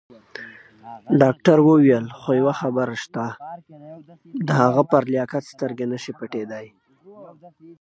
ډاکټر وویل: خو یوه خبره شته، پر هغه پر لیاقت سترګې نه شي پټېدای.